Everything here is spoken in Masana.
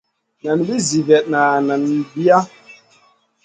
Nan vih zi vetna nen viya.